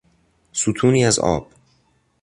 ستونی از آب